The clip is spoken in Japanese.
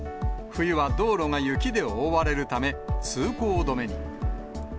冬は道路が雪で覆われるため、通行止めに。